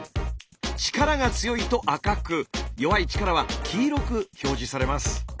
力が強いと赤く弱い力は黄色く表示されます。